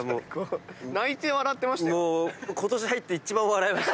泣いて笑ってましたよ。